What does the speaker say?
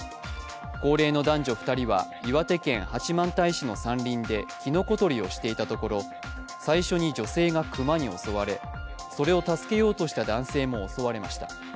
高齢の男女２人は岩手県八幡平市の山林できのこ採りをしていたところ最初に女性が熊に襲われそれを助けようとした男性も襲われました。